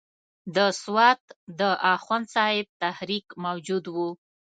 د سوات د اخوند صاحب تحریک موجود وو.